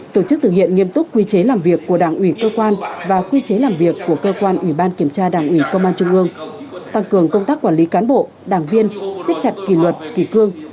tổ chức thực hiện nghiêm túc quy chế làm việc của đảng ủy cơ quan và quy chế làm việc của cơ quan ủy ban kiểm tra đảng ủy công an trung ương tăng cường công tác quản lý cán bộ đảng viên xích chặt kỷ luật kỳ cương